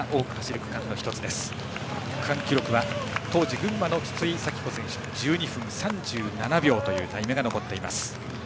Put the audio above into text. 区間記録は当事、群馬の筒井咲帆選手１２分２７秒というタイムが残っています。